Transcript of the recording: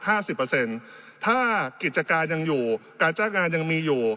ห้าสิบเปอร์เซ็นต์ถ้ากิจการยังอยู่การจ้างงานยังมีอยู่